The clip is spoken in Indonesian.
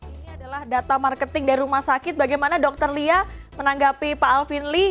ini adalah data marketing dari rumah sakit bagaimana dokter lia menanggapi pak alvin lee